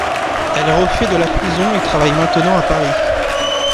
Elle refait de la prison et travaille maintenant à Paris.